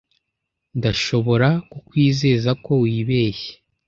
Ndashobora kukwizeza ko wibeshye.